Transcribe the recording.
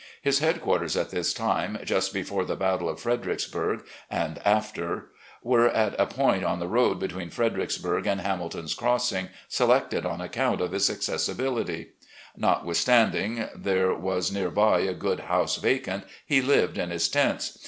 His head quarters at this time, just before the battle of Freder icksburg and after, were at a point on the road between Fredericksburg and Hamilton's Crossing, selected on accoxmt of its accessibility. Notwithstanding there was near by a good hovise vacant, he lived in his tents.